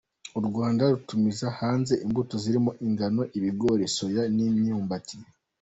U Rwanda rutumiza hanze imbuto zirimo ingano, ibigori, soya n’imyumbati.